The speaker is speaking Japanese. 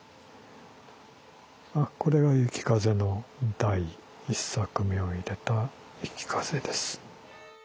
あっこれが「雪風」の第１作目を入れた「雪風」です。